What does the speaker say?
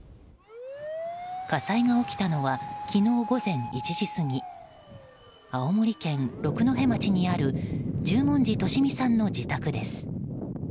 火災が起きたのは昨日午前１時過ぎ青森県六戸町にある十文字利美さんの自宅です。